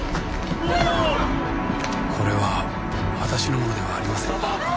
これは私のものではありません。